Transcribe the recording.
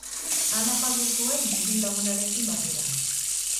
Han afaldu zuen mutil-lagunarekin batera.